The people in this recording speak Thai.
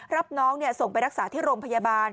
รับน้องส่งไปรักษาที่โรงพยาบาล